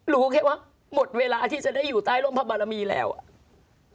รู้แค่ว่าหมดเวลาที่จะได้อยู่ใต้ร่มพระบารมีแล้วอ่ะ